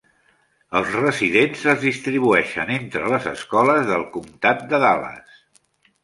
Els residents es distribueixen entre les escoles del comtat de Dallas.